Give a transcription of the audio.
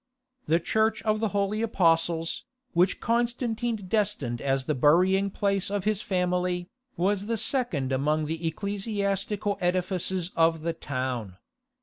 The Church of the Holy Apostles, which Constantine destined as the burying place of his family, was the second among the ecclesiastical edifices of the town.